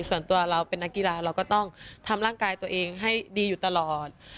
ส่วนตัวเราเป็นนักกีฬาเราก็ต้องทำร่างกายตัวเองให้ดีอยู่ตลอด